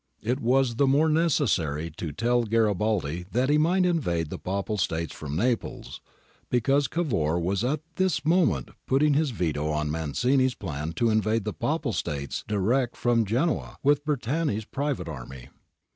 It was the more necessary to tell Garibaldi that he might invade the Papal States from Naples, because Cavour was at this moment putting his veto on Mazzini's plan to invade the Papal States direct from Genoa with Bertani's private army.